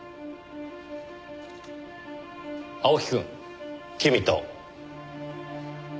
青木くん君と。